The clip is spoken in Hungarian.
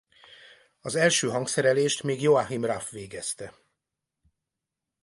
Az első hangszerelést még Joachim Raff végezte.